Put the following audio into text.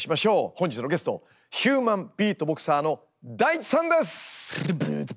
本日のゲストヒューマンビートボクサーのＤａｉｃｈｉさんです！